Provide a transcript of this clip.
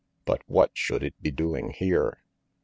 But what should it be doing here?